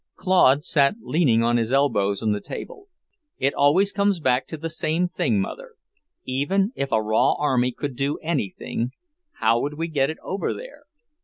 Claude sat leaning his elbows on the table. "It always comes back to the same thing, Mother. Even if a raw army could do anything, how would we get it over there?